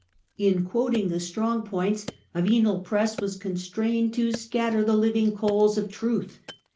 In quoting the strong points, a venal press was constrained to " scatter the living coals of truth."